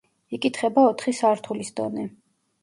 იკითხება ოთხი სართულის დონე.